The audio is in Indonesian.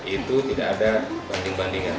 itu tidak ada banding bandingan